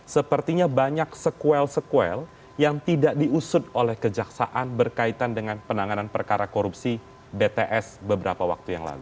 sepertinya banyak sekuel sekuel yang tidak diusut oleh kejaksaan berkaitan dengan penanganan perkara korupsi bts beberapa waktu yang lalu